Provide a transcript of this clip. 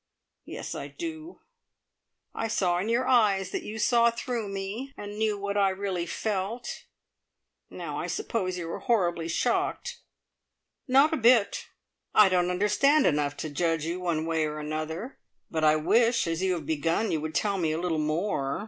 Yes, I do. I saw in your eyes that you saw through me, and knew what I really felt. Now I suppose you are horribly shocked?" "Not a bit. I don't understand enough to judge you one way or another; but I wish, as you have begun, you would tell me a little more.